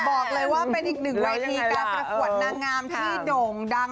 บอกเลยว่าเป็นอีกหนึ่งเวทีการประกวดนางงามที่โด่งดัง